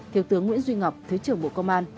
thiếu tướng nguyễn duy ngọc thứ trưởng bộ công an